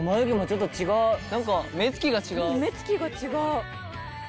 目つきが違う！